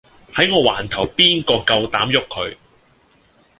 喺我環頭邊個夠膽喐佢